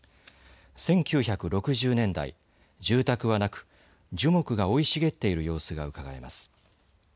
１９６０年代、住宅はなく樹木が生い茂っている様子がうかがえます。